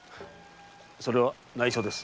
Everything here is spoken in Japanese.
それは内緒です。